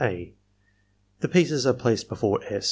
— (a) The pieces are placed before S.